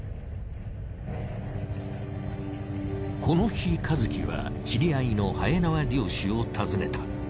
この日和喜は知り合いのはえ縄漁師を訪ねた。